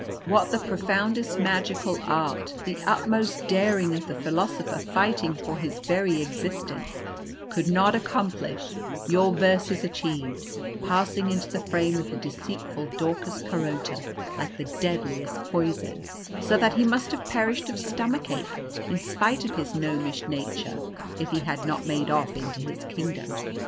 What the profoundest magical art, the utmost daring of the philosopher fighting for his very existence, could not accomplish, your verses achieved, passing into the frame of the deceitful Daucus Carota like the deadliest poison, so that he must have perished of stomach ache, in spite of his gnomish nature, if he had not made off into his kingdom.